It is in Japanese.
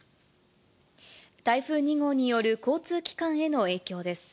台風２号による交通機関への影響です。